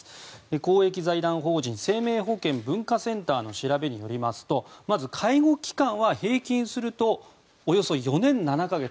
公益財団法人生命保険文化センターの調べによりますとまず、介護期間は平均するとおよそ４年７か月。